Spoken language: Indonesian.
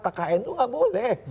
kkn itu nggak boleh